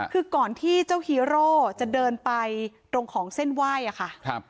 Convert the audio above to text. คือก่อนที่เจ้าฮีโร่จะเดินไปตรงของเส้นไหว้ค่ะ